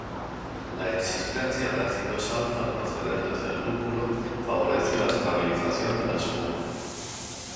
La existencia de ácidos alfa procedentes del lúpulo favorece la estabilización de la espuma.